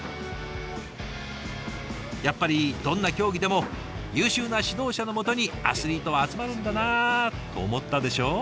やっぱりどんな競技でも優秀な指導者の下にアスリートは集まるんだなと思ったでしょ？